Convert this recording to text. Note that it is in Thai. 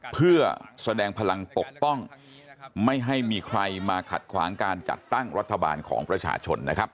เพื่อแสดงพลังปกป้องไม่ให้มีใครมาขัดขวางการจัดตั้งรัฐบาลของประชาชนนะครับ